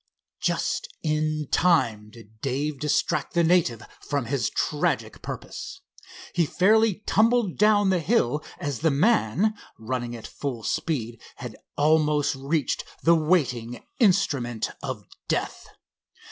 Just in time did Dave distract the native from his tragic purpose. He fairly tumbled down the hill as the man, running at full speed, had almost reached the waiting instrument of death.